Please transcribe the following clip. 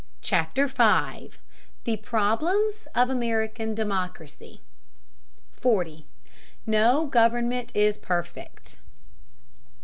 CHAPTER V THE PROBLEMS OF AMERICAN DEMOCRACY 40. NO GOVERNMENT IS PERFECT.